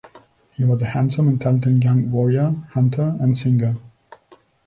He was a handsome and talented young warrior, hunter and singer.